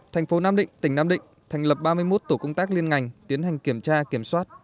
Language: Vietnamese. thành phố nam định tỉnh nam định thành lập ba mươi một tổ công tác liên ngành tiến hành kiểm tra kiểm soát